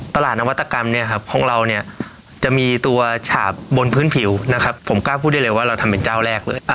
ตลาดนวัตกรรมของเราจะมีตัวฉาบบนพื้นผิวผมกล้าพูดได้เลยว่าเราทำเป็นเจ้าแรกเลย